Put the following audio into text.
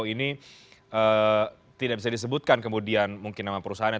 ini tidak bisa disebutkan kemudian mungkin nama perusahaannya